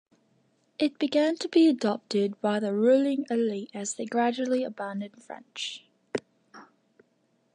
It began to be adopted by the ruling elite as they gradually abandoned French.